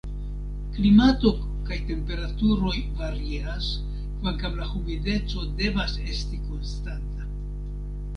Klimato kaj temperaturoj varias, kvankam la humideco devas esti konstanta.